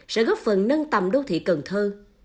sẽ góp phần nâng tầm đô thị cần thơ